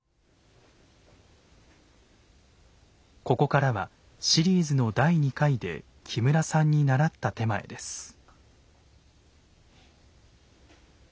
ここからはシリーズの第２回で木村さんに習った点前です。